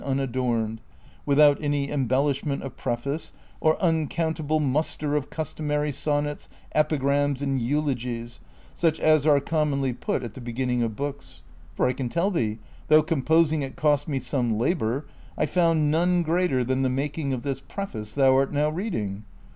unadorned, without any embellishment of preface or uncount able muster of customary sonnets, epigrams, and eulogies, sucli as are commonly put at the beginning of books. For I can tell thee, though composing it cost me some labor, I found none greater than the making of this Preface thou art now reading.